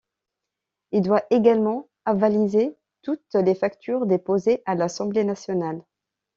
Il doit également avaliser toutes les factures déposées à l'Assemblée nationale.